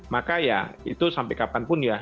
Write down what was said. maka ya itu sampai kapanpun ya